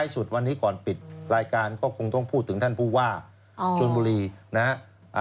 สุดวันนี้ก่อนปิดรายการก็คงต้องพูดถึงท่านผู้ว่าชนบุรีนะฮะ